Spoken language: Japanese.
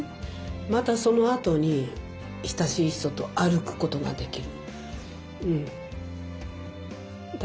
またそのあとに親しい人と歩くことができる。